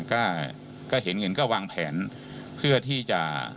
ก็ก็เห็นเงินก็วางแผนเพื่อที่จะ